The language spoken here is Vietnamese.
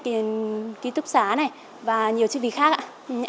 tiền ký túc xá này và nhiều chi phí khác ạ